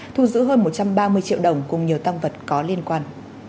thu giữ hơn một trăm ba mươi triệu đồng cùng nhiều tăng vật có liên quan